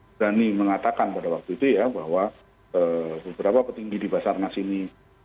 berani mengatakan pada waktu itu ya bahwa beberapa petinggi di basarnas ini